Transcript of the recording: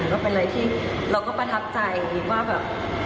ก็เป็นอะไรที่เราก็ประทับใจว่าแบบ